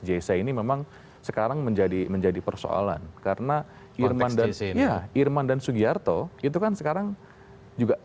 jc ini memang sekarang menjadi menjadi persoalan karena irman dan ya irman dan sugiarto itu kan sekarang juga